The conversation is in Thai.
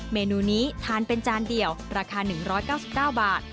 เมนูนี้ทานเป็นจานเดียวราคา๑๙๙บาท